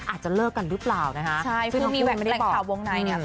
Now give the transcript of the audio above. อาจจะเลิกกันรึเปล่านะคะใช่คือมีแหล่งข่าววงในเนี้ย